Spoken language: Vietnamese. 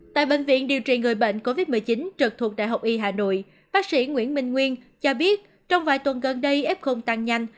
tại bệnh viện điều trị người bệnh covid một mươi chín trực thuộc đại học y hà nội bác sĩ nguyễn minh nguyên cho biết trong vài tuần gần đây f tăng nhanh